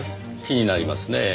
気になりますねぇ。